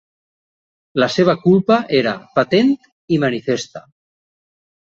La seva culpa era patent i manifesta.